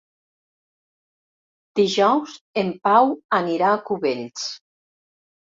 Dijous en Pau anirà a Cubells.